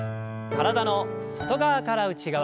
体の外側から内側。